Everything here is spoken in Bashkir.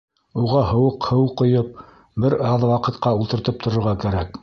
Уға һыуыҡ һыу ҡойоп, бер аҙ ваҡытҡа ултыртып торорға кәрәк.